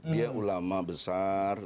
dia ulama besar